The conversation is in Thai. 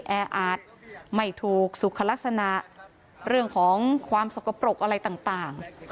แออาจไม่ถูกสุขลักษณะเรื่องของความสกปรกอะไรต่าง